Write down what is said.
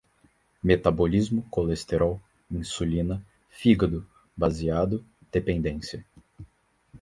metabolismo, colesterol, insulina, fígado, baseado, dependência